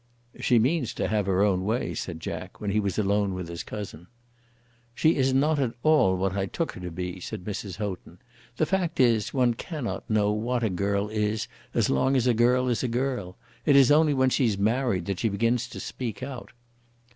"She means to have her own way," said Jack, when he was alone with his cousin. "She is not at all what I took her to be," said Mrs. Houghton. "The fact is, one cannot know what a girl is as long as a girl is a girl. It is only when she's married that she begins to speak out."